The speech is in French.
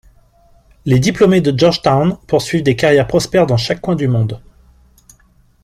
Les diplômés de Georgetown poursuivent des carrières prospères dans chaque coin du monde.